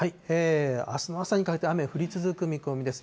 あすの朝にかけて雨が降り続く見込みです。